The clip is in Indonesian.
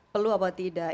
perlu apa tidak